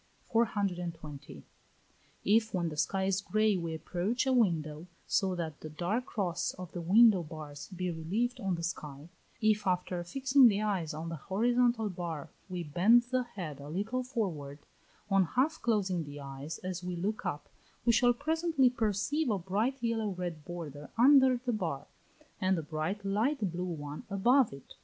420. If, when the sky is grey, we approach a window, so that the dark cross of the window bars be relieved on the sky; if after fixing the eyes on the horizontal bar we bend the head a little forward; on half closing the eyes as we look up, we shall presently perceive a bright yellow red border under the bar, and a bright light blue one above it.